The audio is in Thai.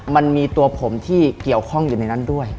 มันมีตัวผมที่เกี่ยวข้องอยู่ในนั้นด้วย